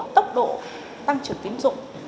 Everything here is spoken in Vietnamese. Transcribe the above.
tốc độ tăng trưởng tiến dụng